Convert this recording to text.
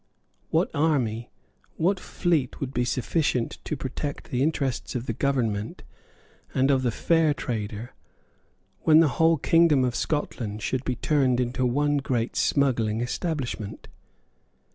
What army, what fleet, would be sufficient to protect the interests of the government and of the fair trader when the whole kingdom of Scotland should be turned into one great smuggling establishment?